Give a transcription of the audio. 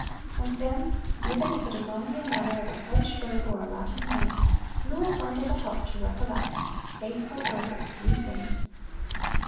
And then, even if it is only a matter of a French verb or a Latin noun, you will find it a help to recollect, "Faithful over a few things!"